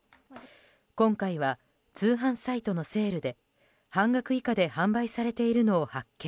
今回は通販サイトのセールで半額以下で販売されているのを発見。